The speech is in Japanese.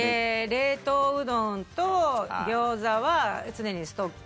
冷凍うどんとギョーザは常にストック。